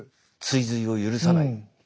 追随を許さない。